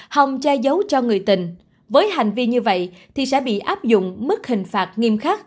hồng che giấu cho người tình với hành vi như vậy thì sẽ bị áp dụng mức hình phạt nghiêm khắc